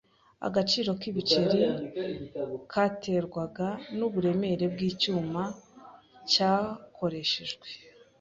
Agaciro k'ibiceri katerwaga n'uburemere bw'icyuma cyakoreshejwe.